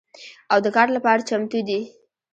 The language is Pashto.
او د کار لپاره چمتو دي